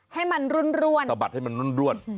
ให้มันรุ่นรวน